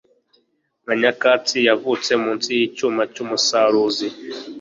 nka nyakatsi yavutse munsi yicyuma cyumusaruzi